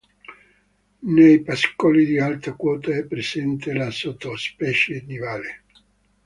Nei pascoli di alta quota è presente la sottospecie "nivale".